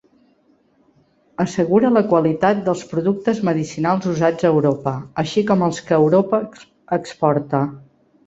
Assegura la qualitat dels productes medicinals usats a Europa, així com els que Europa exporta.